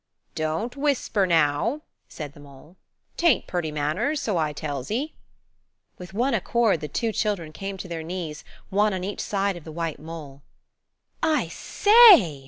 "Don't whisper, now," said the mole; "'tain't purty manners, so I tells 'ee." With one accord the two children came to their knees, one on each side of the white mole. "I say!"